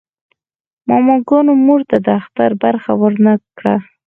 ماماګانو مور ته د اختر برخه ورنه کړه.